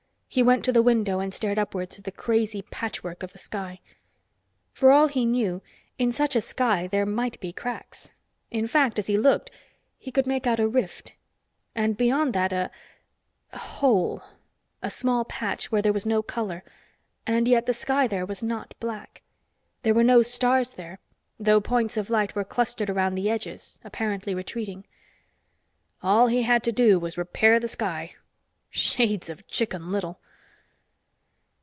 He went to the window and stared upwards at the crazy patchwork of the sky. For all he knew, in such a sky there might be cracks. In fact, as he looked, he could make out a rift, and beyond that a ... hole ... a small patch where there was no color, and yet the sky there was not black. There were no stars there, though points of light were clustered around the edges, apparently retreating. All he had to do was to repair the sky. Shades of Chicken Little!